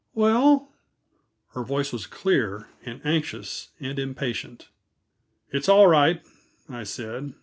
"Well?" her voice was clear, and anxious, and impatient. "It's all right," I said.